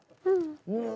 うん。